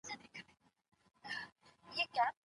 زیار صاحب د څېړني پر بېلابېلو بڼو خبرې وکړې.